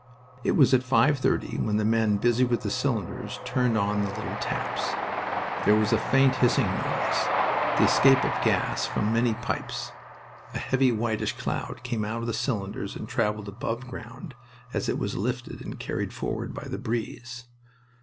It was at five thirty when the men busy with the cylinders turned on little taps. There was a faint hissing noise, the escape of gas from many pipes. A heavy, whitish cloud came out of the cylinders and traveled aboveground as it was lifted and carried forward by the breeze.